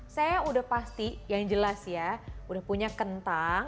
saya udah pasti yang jelas ya udah punya kentang